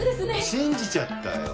信じちゃったよ。